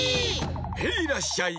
ヘイらっしゃい！